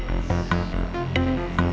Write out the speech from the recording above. kalau bapak nggak pergi nggak ada